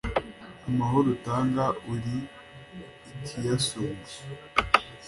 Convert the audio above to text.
amahoro utanga, uri ikiyasumba